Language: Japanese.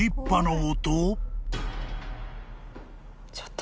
ちょっと。